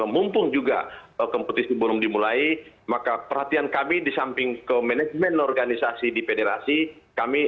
mumpung juga kompetisi belum dimulai maka perhatian kami di samping ke manajemen organisasi di federasi kami